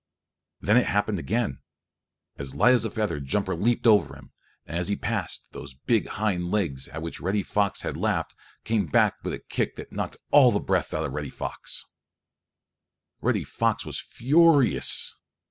Then it happened again. As light as a feather Jumper leaped over him, and as he passed, those big hind legs, at which Reddy Fox had laughed, came back with a kick that knocked all the breath out of Reddy Fox. Reddy Fox was furious.